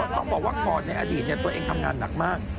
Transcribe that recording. ต้องบอกว่าก่อนในอดีตตัวเองทำงานหนักมาก